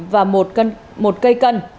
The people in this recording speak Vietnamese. và một cây cân